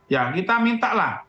ya kita minta lah